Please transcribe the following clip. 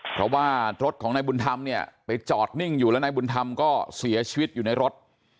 เพราะว่ารถของนายบุญธรรมเนี่ยไปจอดนิ่งอยู่แล้วนายบุญธรรมก็เสียชีวิตอยู่ในรถ